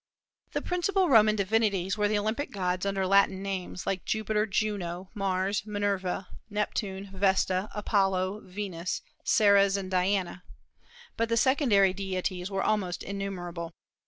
The principal Roman divinities were the Olympic gods under Latin names, like Jupiter, Juno, Mars, Minerva, Neptune, Vesta, Apollo, Venus, Ceres, and Diana; but the secondary deities were almost innumerable.